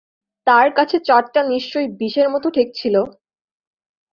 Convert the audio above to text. তার কাছে চাঁদটা নিশ্চয়ই বিষের মতো ঠেকছিল।